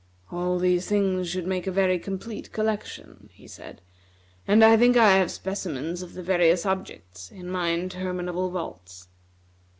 "All these things should make a very complete collection," he said, "and I think I have specimens of the various objects in my interminable vaults."